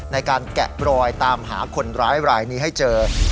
ในการแกะบรอยตามหาคนร้ายนี้ให้เจอ